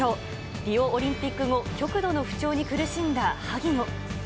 リオオリンピック後、極度の不調に苦しんだ萩野。